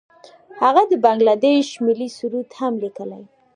هغه د بنګله دیش ملي سرود هم لیکلی.